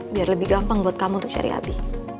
biar lebih gampang buat kamu untuk cari api